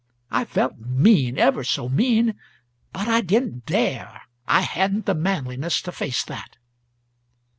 I felt mean, ever so mean; ut I didn't dare; I hadn't the manliness to face that."